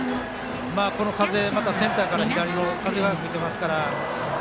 この風またセンターから左の風が吹いてますから。